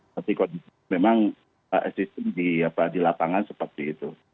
tapi memang sistem di lapangan seperti itu